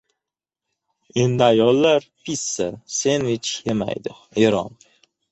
Endi ayollar pissa, sendvich yemaydi- Eron